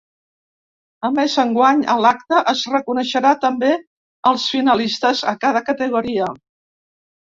A més, enguany a l’acte es reconeixerà també als finalistes a cada categoria.